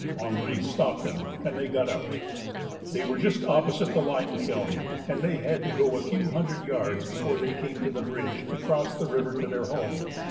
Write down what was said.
Henri stopped them and they got out. They were just opposite the lime kiln, and they had to go a few. hundred yards before they came to the bridge to cross the river to their home.